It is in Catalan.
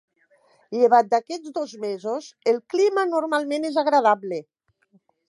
Llevat d'aquests dos mesos, el clima normalment és agradable.